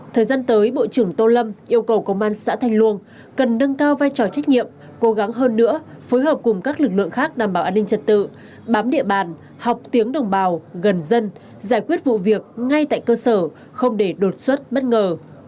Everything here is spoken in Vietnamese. thời gian tới bộ trưởng tô lâm yêu cầu công an xã thanh luông cần nâng cao vai trò trách nhiệm cố gắng hơn nữa phối hợp cùng các lực lượng khác đảm bảo an ninh trật tự bám địa bàn học tiếng đồng bào gần dân giải quyết vụ việc ngay tại cơ sở không để đột xuất bất ngờ